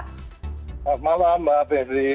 selamat malam mbak pevri